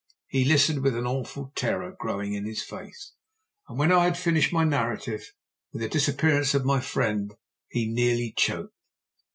He listened, with an awful terror growing in his face, and when I had finished my narrative with the disappearance of my friend he nearly choked.